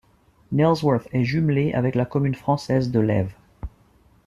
Nailsworth est jumelée avec la commune française de Lèves.